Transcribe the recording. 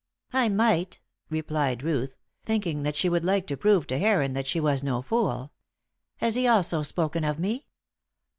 "I might," replied Ruth, thinking that she would like to prove to Heron that she was no fool. "Has he also spoken of me?"